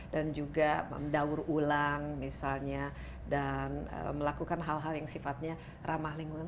dan juga mendaur ulang misalnya dan melakukan hal hal yang sifatnya ramah lingkungan